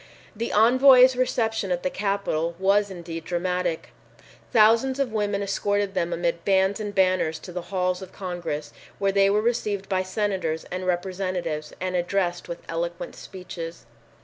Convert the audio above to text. The envoys' reception at the Capitol was indeed dramatic. Thousands of women escorted them amid bands and banners to the halls of Congress, where they were received by senators and representatives and addressed with eloquent speeches.